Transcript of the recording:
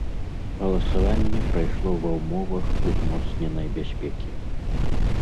Галасаванне прайшло ва ўмовах узмоцненай бяспекі.